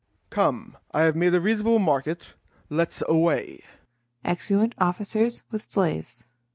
Come, I have made a reasonable market; let's away.